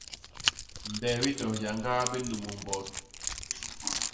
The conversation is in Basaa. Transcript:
Mbebi to hyañgaa bi nnumus mbot.